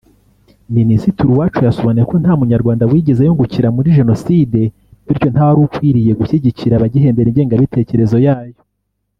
Minisitiri Uwacu yasobanuye ko nta munyarwanda wigeze yungukira muri jenoside bityo nta wari ukwiriye gushyigikira abagihembera ingengabitekerezo yayo